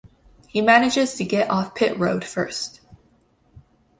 He manages to get off pit road first.